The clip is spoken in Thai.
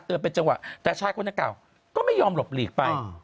เตือนเป็นเจอมป์แต่ชายคนนเก่าก็ไม่โหลบหลีกไป